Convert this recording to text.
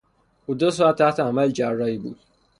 او دو ساعت تحت عمل جراحی بود.